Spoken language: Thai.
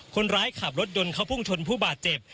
คนขับรถยนต์เขาพุ่งชนผู้บาดเจ็บ